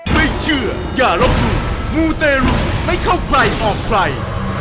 ไม่เชื่ออย่าลบหลู่มูเตรุไม่เข้าใครออกใคร